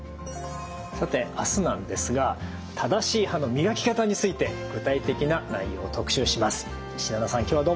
さて明日なんですが正しい歯の磨き方について具体的な内容を特集します。